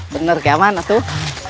benar gimana tuh